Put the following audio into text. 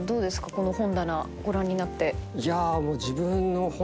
この本棚ご覧になって。